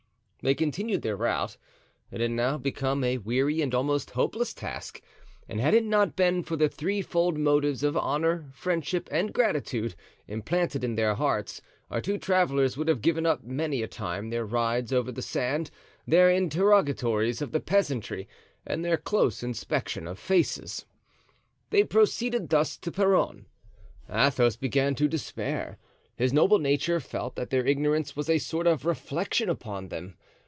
They continued their route. It had now become a weary and almost hopeless task, and had it not been for the threefold motives of honor, friendship and gratitude, implanted in their hearts, our two travelers would have given up many a time their rides over the sand, their interrogatories of the peasantry and their close inspection of faces. They proceeded thus to Peronne. Athos began to despair. His noble nature felt that their ignorance was a sort of reflection upon them.